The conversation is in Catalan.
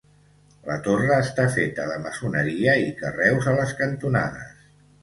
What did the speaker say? La torre està feta de maçoneria i carreus a les cantonades.